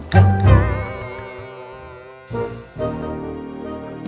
maksudnya apa sih apa